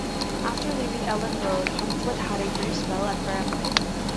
After leaving Elland Road, Hunslet had a brief spell at Bramley.